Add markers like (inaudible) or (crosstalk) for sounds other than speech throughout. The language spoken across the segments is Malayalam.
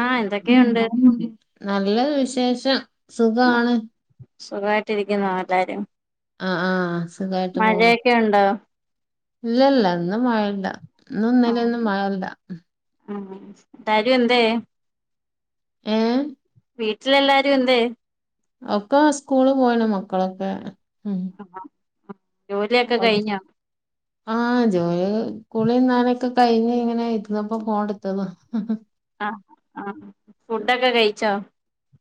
ആഹ് മ് എന്തൊക്കെയുണ്ട് (unintelligible) നല്ല വിശേഷം സുഖാണ് സുഖമായിട്ടിരിക്കുന്നോ എല്ലാരും ആ ആ സുഖായിട്ട് പോണു മഴയൊക്കെ ഉണ്ടോ ഇല്ലല്ല ഇന്ന് മഴയില്ല ഇന്നും ഇന്നലേം ആഹ് ഒന്നും മഴയില്ല എല്ലാരും എന്തിയെ ഏഹ് വീട്ടിലെല്ലാരും എന്തെ ഒക്കെ സ്കൂള് പോയണ് മക്കളൊക്കെ ഉം ആ ജോലിയൊക്കെ ഓ- കഴിഞ്ഞോ ആ ജോലി കുളിയും നനൊക്കെ കഴിഞ്ഞ് ഇങ്ങനെ ഇരുന്നപ്പോ ഫോണ് എടുത്തത ഹ ഹ ആ ആഫുഡൊക്കെ കഴിച്ചോ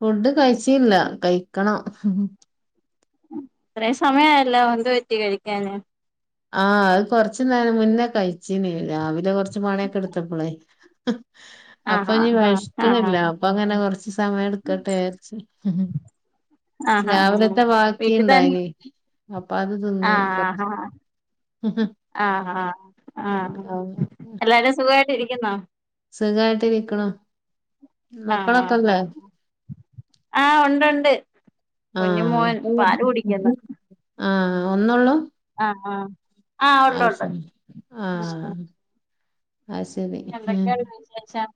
ഫുഡ് കഴിച്ചില്ല കഴിക്കണം ഇത്രയും സമയായല്ലോ എന്ത് പറ്റി കഴിക്കാന് ആഹ് അത് കൊറച്ച്നേരം മുന്നേ കഴിച്ചീന് രാവിലെ കൊറച്ച് പണയൊക്കെ എടുത്തപ്പോളേ അപ്പൊ ആഹ് നീ ആഹ് ആഹ് വെഷക്കണില്ല അപ്പൊ അങ്ങനെ കൊറച്ച് സമയം എടുക്കട്ടെ വിചാരിച്ച് ആഹ് ആഹ് ആഹ് രാവിലത്തെ ബാക്കിണ്ടായിന് ആ ഹ ആ ഹ ആ ഹ എല്ലാരും സുഖായിട്ട് ഇരിക്കുന്നോ സുഖായിട്ടിരിക്കണു ആഹ് ആഹ് മക്കളൊക്കെല്ലേ ആഹ് ആഹ് ഉണ്ട് ഉണ്ട് ആ കുഞ്ഞു മോൻ പാല് കുടിക്കുന്നു (unintelligible) ആ ഒന്നുള്ളൂ ആ ആ ഉണ്ട് ഉണ്ട് ശരി ആ ശരി എന്തൊക്കെയാണ് വിശേഷം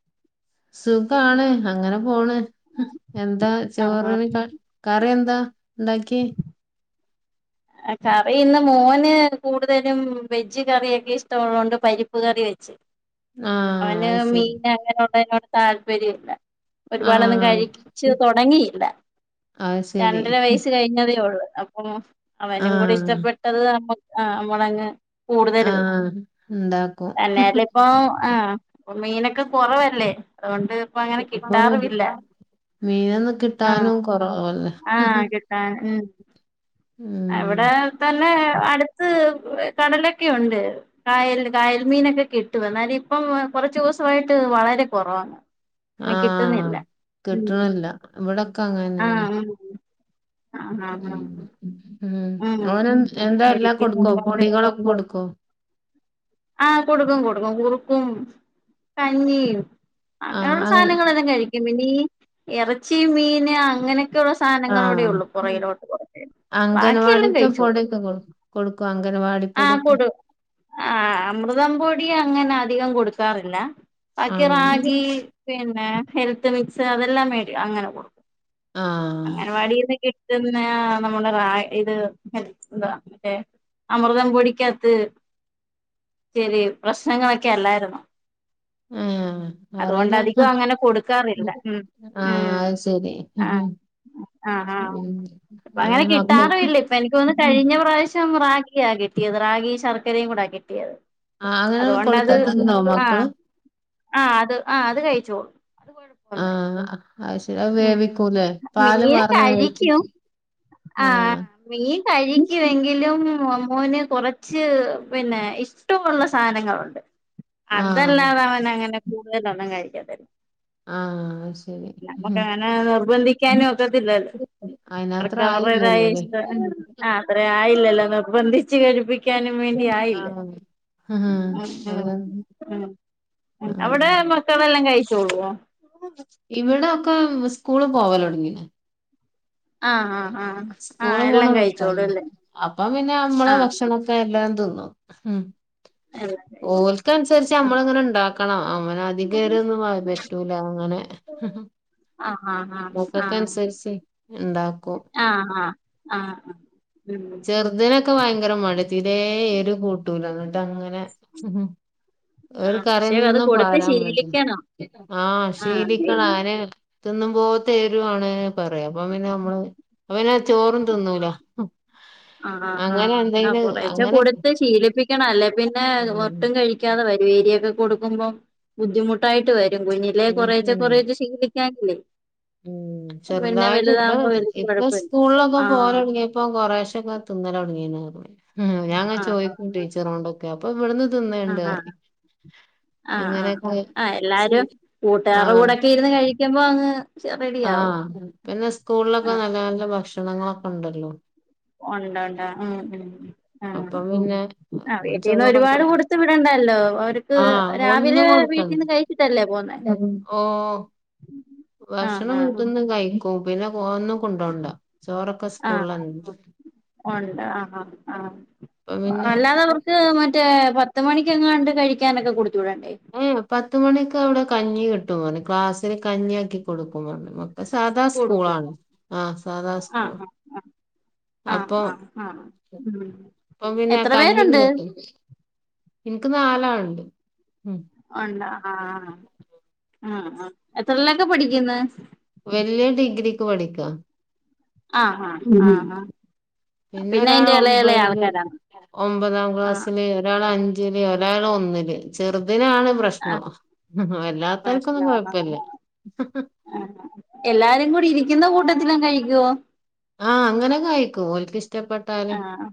സുഖാണ് അങ്ങനെ പോണ് എന്താ ആഹാ ചോറിന് കറി എന്താ ഉണ്ടാക്കി കറി ഇന്ന് മോന് കൂടുതലും വെജ് കറൊക്കെ ഇഷ്ടമുള്ളതോണ്ട് പരിപ്പ് കറി ആഹ് വച്ച്അവന് അത് ശരി മീൻ അങ്ങനെ ഉള്ളതിനോട് താല്പര്യ ഇല്ല ഒരുപാടൊന്നും ആഹ് കഴിച്ചു തുടങ്ങിയില്ല അത് ശരി രണ്ടര വയസ്സ് കഴിഞ്ഞതേ ഉള്ളൂ അപ്പം അവനും കൂടി ആഹ് ഇഷ്ടപ്പെട്ടത് നമ്മ നമ്മളാങ്ങ് കൂടുതല് ആഹ് ഇണ്ടാക്കും തന്നെ ല്ലാ ഇപ്പോ ആ അപ്പൊ മീനൊക്കെ കുറവല്ലേ അതുകൊണ്ട് ഇപ്പൊ അങ്ങനെ അപ്പൊ കിട്ടാറുമില്ല മീനൊന്നും ആഹ് കിട്ടാനും കൊറവല്ലേ ആഹ് കിട്ടാന് ഉം ഇവിടെ തന്നെ അടുത്ത് കടലൊക്കെ ഒണ്ട് കായൽ കായൽ മീനൊക്കെ കിട്ടും എന്നാല ഇപ്പം- കൊറച്ച് ദിവസമായിട്ട് വളരെ കൊറവ ആഹ് കിട്ടണില്ല ഇവിടെ- ആഹ് ആഹ് ആഹ് ഉം (inaudible) ഉം ആഹ് ഓന് എൻ എന്താ എല്ല കൊടുക്കോ ഇരിക്കുന്നതുകൊണ്ട് പൊടികളൊക്കെ കൊടുക്കോ ആഹ കൊടുക്കും കൊടുക്കും കുറുക്കും കഞ്ഞീം ആഹ് അങ്ങനെയുള്ള അങ് സാധനങ്ങളെല്ലാം കഴിക്കും ഇനി എറച്ചി മീന് അങ്ങനെ- ഒക്കെയുള്ള ആഹ് സാധനങ്ങളോടെയുള്ളൂ പോരാകിലോട്ട് പോക്ക് ബാക്കിയെല്ലാം അംഗനവാടിത്തെ കഴിച്ചോളും പൊടിയൊക്കെ കൊടു കൊടുക്കോ അംഗനവാടി ആഹ് പൊടിയൊക്കെ കൊടും ആഹ് അമൃതം പൊടി അങ്ങനെ അധികം കൊടുക്കാറില്ലാ ബാക്കി ആഹ് റാഗി പിന്നെ ഹെൽത്ത് മിക്സ് അതെല്ലാം മേടി അങ്ങനെ കൊടുക്കും ആഹ് പിന്നെ നമ്മുടെ റാഗ് ഇത് ഹെൽ എന്താ മറ്റേ അമൃതം പൊടിക്കകത്ത് ചെറിയേ പ്രശ്നങ്ങളൊക്കെ അല്ലായിരുന്നോ ഉം അതുകൊണ്ട് അറിയില്ല ഹ് അധികം അങ്ങനെ കൊടുക്കാറില്ല ഉം ആ അത് ശരി ഉം. ആ ആ ഇപ്പ അങ്ങനെ കിട്ടാറുഇല്ല ഇപ്പ എനിക്ക്തോന്നാ കഴിഞ്ഞ പ്രാവശ്യം റാഗി ക്ക്യാ കിട്ടിയത് റാഗി ശർക്കരയും കൂടാ കിട്ടിയത് ആഹ് അങ്ങനെ അതുകൊണ്ടത് കൊടുത്താ തിന്നോ മക്കള് ആഹ് ആഹ് അത് ആഹ് അത് കഴിച്ചു ആഹ് അത് ശരി അത് ഉം വേവിക്കൂലേ പാല് (unintelligible) പാർന്ന് വേവിക്കും കഴിക്കും ആഹ് മീൻ കഴിക്കുവെങ്കിലും മോമോന് കൊറച്ച് പിന്നെ ഇഷ്ടമുള്ള സാധനങ്ങളുണ്ട് ആഹ് അതല്ലാതെ അവൻ അങ്ങനെ കൂടുതലൊന്നും കഴിക്കത്തില്ല ആഹ് അഹ്ശരി ക്ക് അങ്ങനെ നിർബന്ധിക്കാൻ ഒക്കത്തില്ലല്ലോ അയിനാത്ര അവർക്ക് അവർതായി ആയില്ലല്ലോല്ലേ ഇഷ്ടം ഉം ആ അത്ര ആയില്ലല്ല നോ ച്ച് കഴിപ്പിക്കാനും വേണ്ടി ആയില്ല. ആഹ് ആഹ് ഉം ഉം അതാണ് ഉം ഉം അവിടെ ആഹ് മക്കളെല്ലാം കഴിച്ചോളോ ഇവിടെ ഒക്കെ സ്കൂള് പോവലോടങ്ങീണ് ആഹ് ആഹ് ആഹ് ആഹ് പോണ എല്ലാം മക്കളാ കഴിച്ചോടുല്ലേ? അപ്പം പിന്നെ അമ്മളെ ഭക്ഷണൊക്കെ എല്ലാം തിന്നും. ഉം ആഹ് എല്ലാം കഴിച്ചോളും ഓൽക്കൻസരിച്ച് നമ്മള് അങ്ങനെണ്ടാക്കണം. അങ്ങനെ അദികേരം ഒന്നും പറ്റൂല അങ്ങനെ ആഹ് ആഹ് ആഹ് മക്കക്ക് ആഹ് അനുസരിച്ചെയ് ഉണ്ടാക്കും. ആഹ് ആഹ് ആഹ് ആഹ് ഉം ചെറ്തിനൊക്കെ ഭയങ്കര മട്യാ തീരെ എരു കൂട്ടൂല ഇന്നിട്ട് അങ്ങ നെ ഒരു ആഹ് പക്ഷെ അത് കറ്യൊന്നും കൊടുത്ത് പാരാൻ ശീലിക്കണം (inaudible) ആഹ് ശീലിക്കണ് അങ്ങനെ തിന്നും പോത്തെരുവാണ് പറയും അപ്പൊ പിന്നെ ഞമ്മള് അപ്പന്നെചോറും തിന്നൂല. ആണോ അങ്ങനെ ഹാ എന്തെങ്കിലും കുറേച്ചെ അങ്ങനെ കൊട്ത്ത് ശീലിപ്പിക്കണം അല്ലേ പിന്നെ ഉം ഒട്ടും കഴിക്കാതെ വരും എരിയെക്കെ കൊടുക്കുമ്പോം ബുദ്ധിമുട്ടായിട്ട് വരും കുഞ്ഞിലേ കൊറേചെ കൊറേചെ ശീലി ക്ക്യാകിലേ ഉം ചെറുതായിട്ട് ഇപ്പ വല്യ ഇപ്പൊ കൊഴപ്പല്ല സ്കൂളിലൊക്കെ ആഹ് പോവലൊടങ്ങിയപ്പോ കൊറേശെ ഒക്കെ തിന്നല് തൊടങ്ങീന് അറഞ് ഹും ഞാങ്ങ ആഹ് ചോയ്ക്കും ടീച്ചറോണ്ടൊക്കെ അപ്പൊ ഇവിടുന്ന് തിന്ന്ണ്ട് ആഹ് ആഹ് പറിം. ആഹ് ആഹ് ആ ആഹ് എല്ലാരും കൂട്ടുകാരെ ആഹ് കൂടെക്കെ ഇരുന്ന് കഴിക്കുമ്പോ അങ്ങ് ചെ ആഹ് പിന്നെ സ്കൂളിലൊക്കെ ആഹ് നല്ല നല്ല ഭക്ഷണങ്ങളൊക്കെ ഇണ്ടല്ലോ. ഒണ്ടുണ്ട് ഉം ഉം ആഹ് അപ്പൊ പിന്നെ ആ വീട്ടീന്ന് ചോറൊക്കെ ഒരുപാട് കൊടുത്ത് വിടണ്ടല്ലോ (unintelligible) അവർക്ക് ആഹ് ഒന്നും രാവിലെ കൊടുക്കണ്ട വീട്ടിൽന്ന് കഴിച്ചിട്ടല്ലേ പോന്നേ? ഓ (inaudible) ഭക്ഷണം വീട്ടന്ന് കഴിക്കും. പിന്നെ ഒന്നും കൊണ്ടോണ്ട. ചോറൊക്കെ ആഹ് സ്കൂളിലണ്. ഉണ്ട് ആ ആഹ് ആ അപ്പൊ പിന്നെ അല്ലാതെ അവർക്ക് മറ്റേ പ പത്ത് മണിക്കെങ്ങാണ്ട് കഴിക്കാനൊക്കെ കൊടുത്ത്, ഏഹ് പത്ത് മണിക്ക് അവിടെ കഞ്ഞി കിട്ടും അവന് ക്ലാസ്സില് കഞ്ഞിആക്കി കൊടുക്കും പറഞ്ഞു അത് സാദാ സ്കൂൾ കൊടുക്കോ ആാണ്. ആഹ് സാദാ സ്കൂൾ ആ അപ്പൊ ആഹ് ആഹ് ഉം അപ്പൊ പിന്നെ എത്ര പേരുണ്ട്? (inaudible) ഇനിക്ക് നാലാളുണ്ട് ഉം ഉണ്ട ആ ആഹ് അ അ എത്രല്ലൊക്കെ പഠിക്കന്ന്? വല്യൻ ഡിഗ്രിക്ക് പഠിക്കാ. ആ ആഹ് ഉം ആഹ് ആ പിന്നെ ഒരാള് ഒമ്പതില് ഒമ്പതാം ആഹ് ക്ലാസില് ഒരാള് അഞ്ച് ല് ഒരാള് ഒന്നില് ചെറു അതിനാണ് പ്രശ്നം. ആഹ് അല്ലാത്താർക്കൊന്നും കൊഴപ്പില്ല. ആഹ് അ എല്ലാരും കൂടി ഇരിക്കുന്ന കൂട്ടത്തിലാം കഴിക്കുവോ? ആഹ് അങ്ങനൊക്കെ കഴിക്കും ഒൽക്ക് ഇഷ് ഷ്ടപ്പെട്ടാല് ആഹ്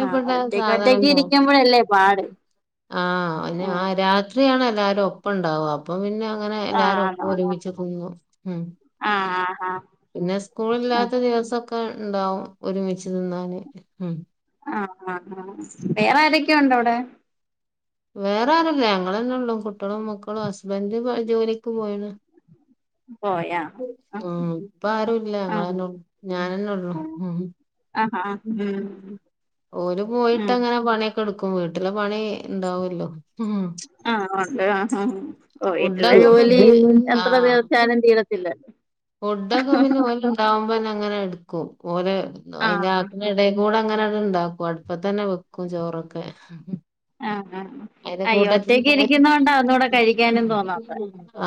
ആഹ് ഒറ്റക്ക് ഒറ്റക്ക് സാധനങ്ങളോ, ഇരിക്കുമ്പോഴല്ലേ പാട് ആ ഓല് ഉം ആ രാത്രിയാണ എല്ലാരും ഒപ്പം ഉണ്ടാവ അപ്പം പിന്നെ അങ്ങനെ എല്ലാരും ആഹ് ആണോ ഒപ്പം ഒരുമിച്ച് കുന്നു ഉം ആഹ് ആഹ് ആഹ് പിന്നെ സ്കൂൾ ഉം ഇല്ലാത്ത ദിവസൊക്കെ ഇണ്ടാവും ഒരുമിച്ച് തിന്നാന്. ഉം ആ ആ ആ വേറെ ആരൊക്കെ ഉണ്ട് അവിടെ? വേറെ ആരുല്ല ഞങ്ങളെന്നെ ഉള്ളൂ കുട്ടിളും മക്കളും ഹസ്ബൻന്റ് ജോലിക്ക് പോയിണ്. പോയാ ആഹ് ആ ഇപ്പ ആരുല്ല ആഹ് ഞങ്ങളെന്നെ ഉള്ളു. ഞാനന്നെ ഉള്ളു ഉം ആഹ് ഉം. ഓര് പോയിട്ട് ഉം അങ്ങനെ പണിയൊക്കെ എടുക്കും വീട്ടിലെ പണി ഇണ്ടാവല്ലോ ആഹ ഉണ്ട് ആ വീട്ടുള്ള ഫുഡൊക്കെ ജോലി പിന്നെ എത്ര ആഹ് തീർച്ചാല തീടത്തില്ലല്ലോ ഫുഡൊക്കെ പിന്നെ ഓലണ്ടാവുമ്പോന്നെ അങ്ങനെ എടുക്കും ഓലെ ആഹ് കൂടെ അങ്ങനെ ഇണ്ടാക്കും അടുപ്പ തന്നെ വെക്കും ചോറൊക്കെ ആഹ് ആ അയിന്റെ അയ്യോ കൂട്ടത്തി ഒറ്റക്ക് ഇരിക്കുന്ന കൊണ്ടന്ന ഇൂടെ കഴിക്കാനും തോന്നാതെ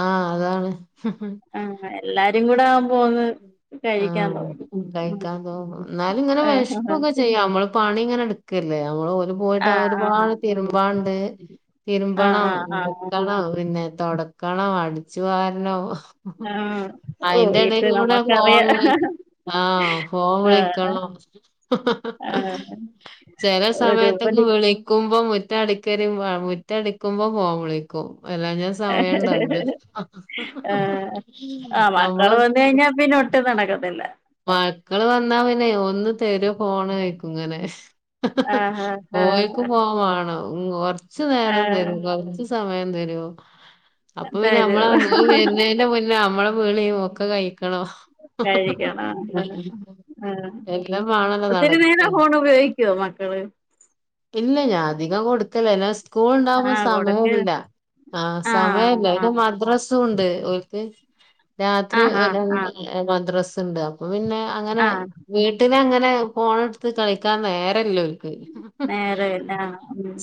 ആഹ് അതാണ് ആഹ് എല്ലാരും കൂടെ ആവുമ്പോന്ന് പ ആഹ് കഴിക്കാൻതോന്നും ന്നാലും ങ്ങനെ ആഹ് ആഹ് വിഷൊക്കെ ചെയ്യാം നമ്മള് പണി ഇങ്ങനെ എടുക്കല്ലേ നമ്മ പോയിട്ട് ആഹ് ആഹ് ഒരുപാട് തിരുമ്പാണ്ട് തിരുമ്പണം ആഹ് ആഹ് ആഹ് വെക്കണം പിന്നെ തുടക്കണം അടിച്ചു കാരണം ആഹ് ഓഹ് അയിന്റെ ഇത് ഇടക്ക് കൂടെ നമ്മക്കറിയാ ഫോൺ വിള ആഹ ഫോം ആഹ് വിളിക്കണം ആഹ് ചില സമയത്തൊക്കെ ഒരുപോലെ വിളിക്കുമ്പോ മുറ്റ അടിക്കരു മുറ്റടിക്കുമ്പോ ഫോൺ വിളിക്കും എല്ലാം ഞാൻ ആഹ് സമയുണ്ടാവല് ആഹ മക്കള് വന്ന കഴിഞ്ഞാ പിന്നെ ഒട്ടും നടക്കുന്നല്ല മക്കള് വന്നാ പിന്നെ ഒന്ന് തരു ഫോണ കഴക്കുംങ്ങനെ ആഹ് പോയിക്ക് ആഹ് പോണം കൊറച്ചു നേരം ആഹ് തരും കൊറച്ച സമയം അപ്പൊ പിന്നെ നമ്മ തരും വരുന്നതി മുന്നേ നമ്മ വിളിയും ഒക്കെ കഴിക്കണോ കഴരിക്ക ആഹ് ആഹ എല്ലാം വേണല്ലോ ഒത്തിരിനേരം നടക്ക ഫോൺ ഉപയോഗിക്കുവോ മക്കള് ഇല്ല ഞാൻ അധികം കൊടുകതില്ല (unintelligible) സ്കൂൾ ഉണ്ടാവുമ്പോ ആഹ് കൊടുക്ക് സമയമില്ല ആ ആഹ് സമയമല്ല ന്നെ ആഹ് മദ്രസും ഉണ്ട് ഓല്ക്ക് രാത്രി ആഹ് ആഹ് ആഹ് (unintelligible) മദ്രസ ഉണ്ട് അപ്പൊ പിന്നെ അങ്ങനെ ആഹ് വീട്ടിലങ്ങനെ ഫോണെടുത്ത് കളിക്കാൻ നേരല്ല ഓല്ക്ക് നേരല്ല ആഹ് ഉം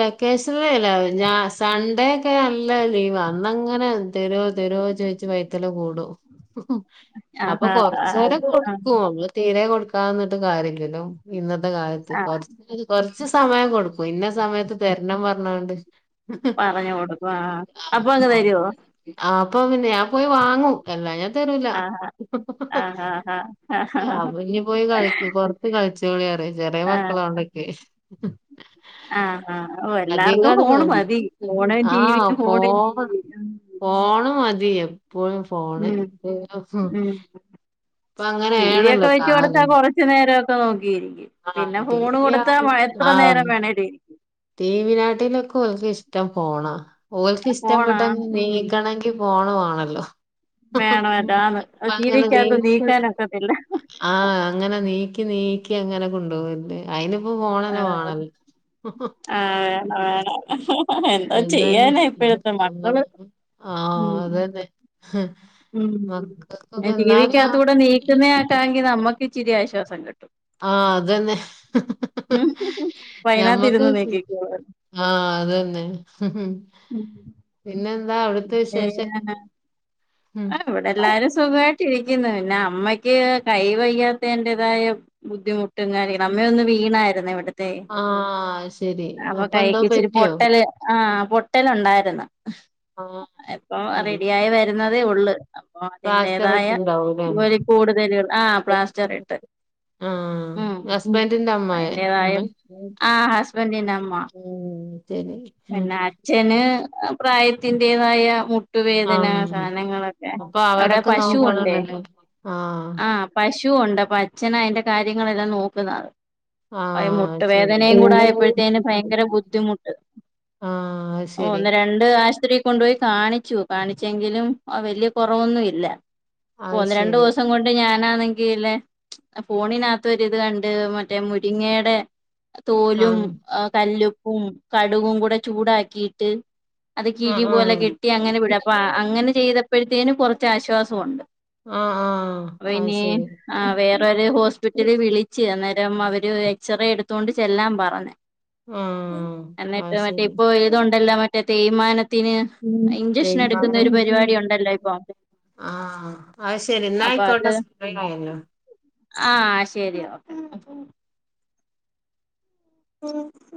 വെക്കേഷൻല്ല ഞാൻ സൺഡേ ഒക്കെ നല്ല ലീവ് അന്നങ്ങനെ തരോ തെരോ വെ വൈത്തല കൂഡും അപ്പൊ ആഹ് ആഹ് കൊറച്ച ആഹ് നേരം കൊടുക്കും ആഹ് നമ്മള് തീരെ കൊടുക്കാന്നിട്ട് കാര്യല്ലല്ലോ ഇന്നത്തെ കാലത്ത് ആഹ് കുറച്ച് കൊറച്ച് സമയം കൊടുക്കും ഇന്ന സമയത്ത് തരണം പറഞ്ഞോണ്ട് പറഞ്ഞു കൊടുക്കും ആഹ് അപ്പൊ അങ്ങ് ആഹ് തരുവോ (unintelligible) അപ്പൊ പിന്നെ ഞൻ പോയി വാങ്ങുംഎല്ലാ ഞാൻ ആഹ് ആഹ് ആഹ് (unintelligible) ആഹ് അവനി പോയി കളിക്കൂ പുറത്ത് കളിച്ചു കളിച്ചോളിൻ പറയും ചെറിയ ആഹ് ആഹ് മക്കളാ ഉണ്ടൊക്കെ ആഹ് ആഹ് ഓ അതിങ്ങ എല്ലാർക്കും ഫോണ് മതി ഫോണും ആഹ് ടിവിയും പോ ഫോണും ടിവിയും ഫോൺ മ എപ്പോഴും ഫോണ് ഉം ഉം ടി വി അങ്ങനെയാണല്ലോ ഒക്കെ വെച്ച കൊടുത്താ കാലം കൊറച്ചു നേരമൊക്കെ നോക്കിരിക്കും ആഹ് പിന്നെ ടി ഫോണ് വി കൊടുത്താ എത്ര നേരം വേണേരിക്കും ടി വി നാട്ടിലൊക്കെ അവക്ക് ഇഷ്ടം ഫോണ് ഓൾക്ക്ഷ്ടപ്പെട്ട ഫോണാണ് ഉം നീക്കണങ്കിൽ ഫോണ് മാണല്ലോ? വേണം അതാണ് ഹഹ അങ്ങനെ ടിവിക്കകത്ത് നീക്കാനൊക്കത്തില്ല ആഹ് അങ്ങനെ നീക്കി നീക്കി അങ്ങനെ കൊണ്ടു കൊണ്ടോക്കല്ലേ അയിനിപ്പോ ഫോണനെ ആഹ് വേണല്ലോ ആഹ് വേണം (unintelligible) എന്താ ചെയ്യാനാ അതന്നെ ഇപ്പോഴത്തെ മക്കള് ആഹ് അതന്നെ ഉം മക്കക്കൊക്കെ ടി വി എന്നാലും ക്കകത്ത് കൂടെ നീക്കുന്നേ ആക്കാെങ്കിൽ നമ്മക്ക് ഇതിരി ആശ്വാസം കിട്ടും ആഹ അതന്നെ ഹ്ഹ ഉം അപ്പൊ ഞമ്മക്ക് അയിനാത്തിരുന്ന് നീക്കിക്കോളും ആഹ അത് തന്നെ പിന്നെന്താ അവിടുത്തെ വിശേഷ (inaudible) ആഹ് ഇവടെ എല്ലാരും സുഖ യ്ട്ടിരിക്ക്ന്ന് പിന്നെ അമ്മയ്ക്ക് കൈ വയ്യാത്തതിന്റേതായ ബുദ്ധിമു ട്ട്ങ്ങെ (unintelligible) അമ്മയൊന്ന് വീണായിരുന്നേ ഇവിട് ത്തേ ആഹ് ശരി അപ്പൊ എന്തോ കയ്ക്ക്ച്ചിരി പറ്റിയോ പൊട്ടല് ആഹ് പൊട്ടലുണ്ടായിരുന്നു ആഹ് ഇപ്പൊ ശരി റെഡിയായി വരുന്ന തേ ഉളള്. അപ്പൊ പ്ലാസ്റ്റർ അതിൻ്റേതായാ ഇട്ടുണ്ടാവൂലേ ഒര് കൂടുതല് ആ പ്ലാസ്റ്റർ ഇട്ട് ആഹ് ഉം. ഹസ്ബൻറിന്റെ അമ്മായി അയിൻ്റെതായ അമ്മേ ആഹ് ഹസ്ബൻറിന്റെ അമ്മ ഉം ശരി പിന്നെ അച്ഛന് പ്രായത്തിന്റേതായ മു ട്ടുവേദന ആഹ് സാനങ്ങളൊക്കെ അപ്പൊ അവടെ അവരൊക്കെ പശുവുണ്ടേ നോക്കണല്ലല്ലോ ആഹ് പശ് ശുവുണ്ട് അപ്പൊ അച്ഛനാ അയിന്റെ കാര്യങ്ങളെല്ലാം നോക്കുന്നത്. അയ് ആഹ് ശരി മുട്ടുവേദനയും കൂടെ ആയപ്പോഴത്തേന് ഭയങ്കര ബുദ്ധിമുട്ട് ആഹ് ഓ ശരി ഒന്ന് രണ്ട് ആശത്രിക്ക് കൊണ്ടുപോയി കാ ണിച്ചു കാണിച്ചെങ്കിലും വല്യ കൊറോവൊന്നും ഇല്ല. പ്പോ അത് ഒന്ന് രണ്ട് ശരി വോസം കൊണ്ട് ഞാൻ ന്നാണെങ്കിലെ ഫോണിനകത്തോരിത് കണ്ട് മറ്റേ മുരിങ്ങയുടെ തോലും ആഹ് അഹ് കല്ലുപ്പും കടുകും കൂടെ ചൂടാക്കിട്ട് അത് കിഴി ആഹ് പോലെ കെട്ടി അങ്ങനെ വിട ആഹ് അപ്പൊ അങ്ങനെ ചെയ്തപ്പോഴത്തേനും കുറച്ച് ആശ്വാസണ്ട് ആഹ് ആഹ് അത് വേനി ശരി ആഹ് വേറരു ഹോസ്പിറ്റലിൽ വിളിച് അന്നേ രം അവര് എക്സ്റേ എടുത്തൊണ്ട് ചെല്ലാൻ പറഞ് ആഹ് ന്നെറ്റ് അത് മറ്റേ ശരി ഇപ്പോ ഇതുണ്ടല്ലോ മറ്റേ തെയ് മാന ത്തിന് ഇഞ്ചക്ഷൻ എടുക്കുന്ന തേയ്മാനം ഒരു പരിവാടി ഉണ്ടല്ലോ ഇപ്പൊ ആഹ് അഹ് ശരി ന്നാ ഐക്കോട്ടെ സ്മയം കഴിഞ്ഞു ആഹ് ശെരി ഓക്കെ ഉം ഉം